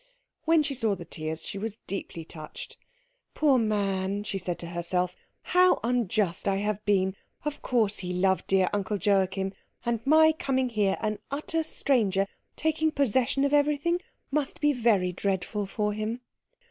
When she saw the tears she was deeply touched. "Poor man," she said to herself, "how unjust I have been. Of course he loved dear Uncle Joachim; and my coming here, an utter stranger, taking possession of everything, must be very dreadful for him."